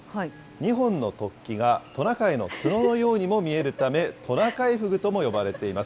２本の突起がトナカイの角のようにも見えるため、トナカイフグとも呼ばれています。